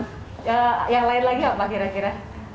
yang lain lagi apa kira kira